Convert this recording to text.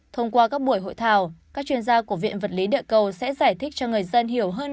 thông qua các buổi hội thảo các chuyên gia của viện vật lý địa cầu sẽ giải thích cho người dân hiểu hơn